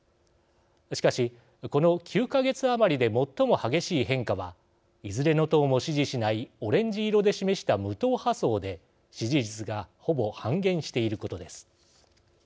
しかしこの９か月余りで最も激しい変化はいずれの党も支持しないオレンジ色で示した無党派層で支持率がほぼ半減していることです。